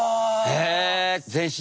へえ。